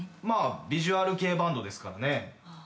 まあヴィジュアル系バンドですからね。